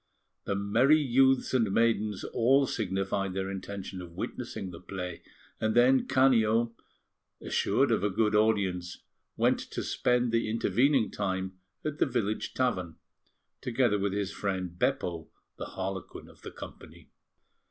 The merry youths and maidens all signified their intention of witnessing the play, and then Canio, assured of a good audience, went to spend the intervening time at the village tavern, together with his friend Beppo, the Harlequin of the company.